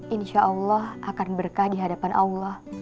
insya allah akan berkah di hadapan allah